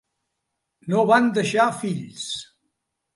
No van deixar fills.